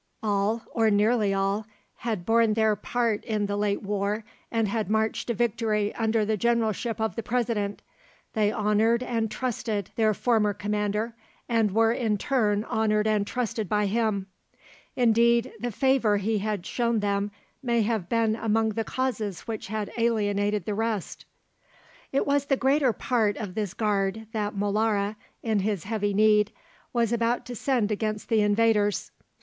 All, or nearly all, had borne their part in the late war and had marched to victory under the generalship of the President. They honoured and trusted their former commander, and were in turn honoured and trusted by him; indeed the favour he had shewn them may have been among the causes which had alienated the rest. It was the greater part of this Guard that Molara, in his heavy need, was about to send against the invaders.